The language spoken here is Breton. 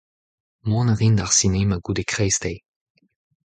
Mont a rin d'ar sinema goude kreisteiz.